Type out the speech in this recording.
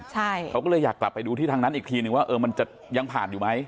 ใช่เขาก็เลยอยากกลับไปดูที่ทางนั้นอีกทีนึงว่าเออมันจะยังผ่านอยู่ไหม